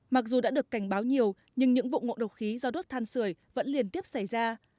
mặc dù đã được cảnh báo nhiều nhưng những vụ ngộ độc khí do đốt than sửa vẫn liên tiếp xảy ra